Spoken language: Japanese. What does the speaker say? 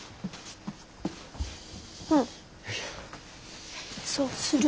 うんそうする。